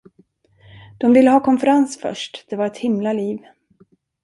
De ville ha konferens först, det var ett himla liv.